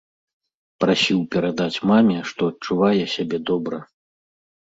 Прасіў перадаць маме, што адчувае сябе добра.